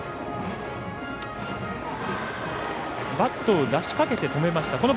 バットを出しかけて止めました。